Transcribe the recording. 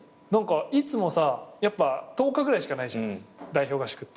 いつもさ１０日ぐらいしかないじゃない代表合宿って。